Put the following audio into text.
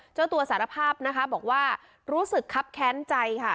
เจ้าตัวสารภาพนะคะบอกว่ารู้สึกครับแค้นใจค่ะ